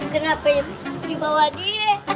kenapa dibawa dia